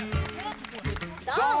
ドン。